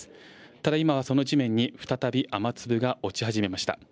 ただ今その地面に再び雨粒が落ち始めました。